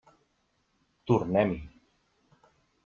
Tornem-hi.